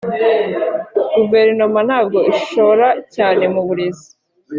guverinoma ntabwo ishora cyane mu burezi.